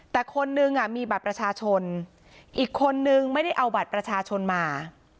แต่คนนึงมีบัตรประชาชนอีกคนนึงไม่ได้เอาบัตรประชาชนมา